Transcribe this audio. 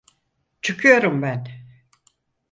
Çıkıyorum ben.